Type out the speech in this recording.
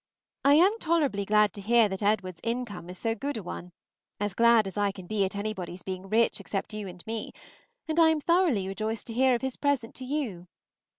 I am tolerably glad to hear that Edward's income is so good a one, as glad as I can be at anybody's being rich except you and me, and I am thoroughly rejoiced to hear of his present to you.